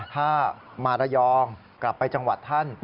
ถ้ามาระยองกลับไปจังหวัดท่าน